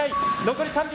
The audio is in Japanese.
残り３秒。